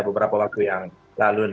beberapa waktu yang lalu